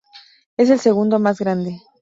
Es el segundo más grande.